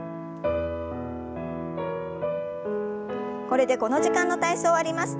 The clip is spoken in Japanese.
これでこの時間の体操終わります。